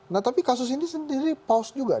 nah tapi kasus ini sendiri pause juga nih